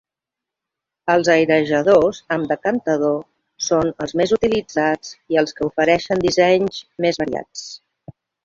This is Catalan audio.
Els airejadors amb decantador són els més utilitzats i els que ofereixen dissenys més variats.